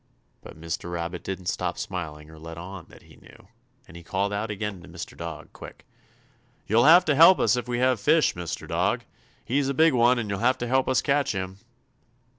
But Mr. Rabbit didn't stop smiling or let on that he knew, and he called out again to Mr. Dog, quick: "You'll have to help us if we have fish, Mr. Dog! He's a big one and you'll have to help us catch him!"